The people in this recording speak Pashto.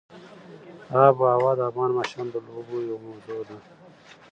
آب وهوا د افغان ماشومانو د لوبو یوه موضوع ده.